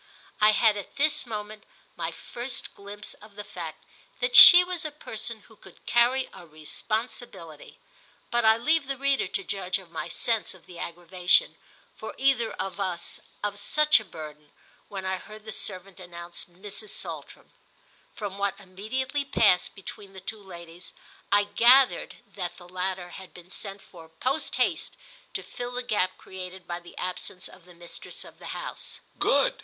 I had at this moment my first glimpse of the fact that she was a person who could carry a responsibility; but I leave the reader to judge of my sense of the aggravation, for either of us, of such a burden, when I heard the servant announce Mrs. Saltram. From what immediately passed between the two ladies I gathered that the latter had been sent for post haste to fill the gap created by the absence of the mistress of the house. "Good!"